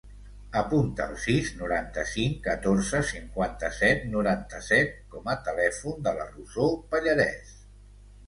Apunta el sis, noranta-cinc, catorze, cinquanta-set, noranta-set com a telèfon de la Rosó Pallares.